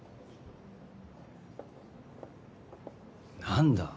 何だ。